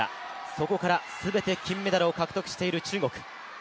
そこから全て金メダルを獲得している中国。